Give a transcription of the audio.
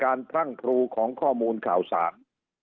พรั่งพรูของข้อมูลข่าวสาร